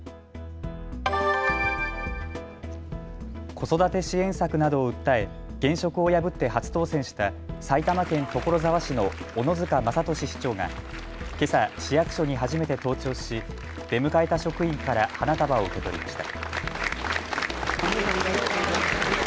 子育て支援策などを訴え現職を破って初当選した埼玉県所沢市の小野塚勝俊市長がけさ、市役所に初めて登庁し出迎えた職員から花束を受け取りました。